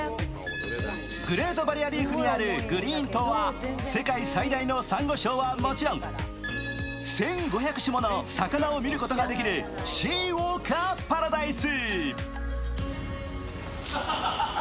グレートバリアリーフにあるグリーン島は世界最大のさんご礁はもちろん１５００種もの魚を見ることができるシーウォーカーパラダイス。